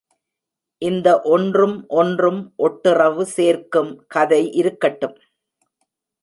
இந்த ஒன்றும் ஒன்றும் ஒட்டுறவு சேர்க்கும் கதை இருக்கட்டும்.